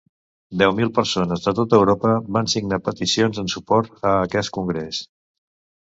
Deu mil persones de tota Europa van signar peticions en suport a aquest congrés.